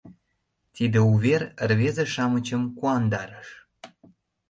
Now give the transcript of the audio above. Тиде увер рвезе-шамычым куандарыш.